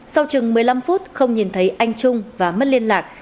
sau chừng một mươi năm phút không nhìn thấy anh trung và mất liên lạc